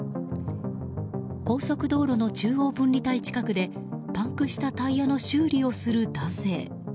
高速道路の中央分離帯近くでパンクしたタイヤの修理をする男性。